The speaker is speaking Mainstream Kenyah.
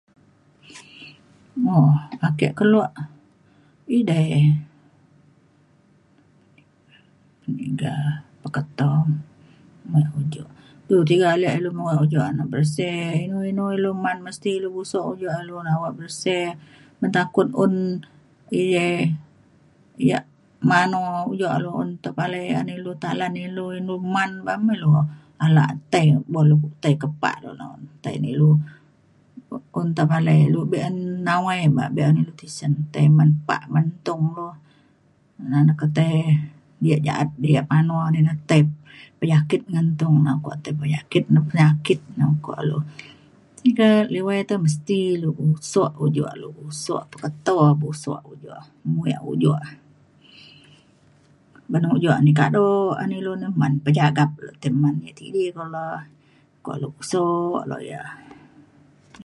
um ake kelo edei peniga peketo muek ujo. lu tiga ale muek ujo na bersih inu inu ilu uman mesti ilu gusok ujok lu na awak bersih men takut un edei yak mano ujok aro un tepalai an ni ilu talan ilu man bah me ilu alak tei bo lu tei ke pak lu ne un tepalai lu be’un nawai bah be’un lu tisen tei man pak man tung lu na na ke tei yak ja’at yak pano di na tei penyakit ngan tuk na penyakit neng penyakit neng ukok lu tiga liwai te mesti ilu gusok ujok lu usok peketo busok ujok muek ujok ban ujok ni kado an ilu uman pejagak le tai man yak tidi kulo kok lu pesuk kuak yak